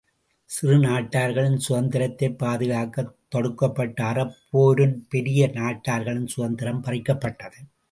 சிறு நாட்டார்களின் சுதந்திரத்தைப் பாதுகாக்கத் தொடுக்கப்பட்ட அறப் போரின் பெரிய நாட்டார்களின் சுதந்திரம் பறிக்கப்பட்டது.